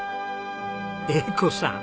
栄子さん